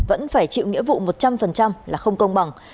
vẫn phải chịu nghĩa vụ một trăm linh là không công bằng